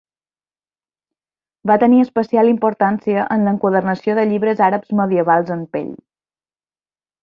Va tenir especial importància en l'enquadernació de llibres àrabs medievals en pell.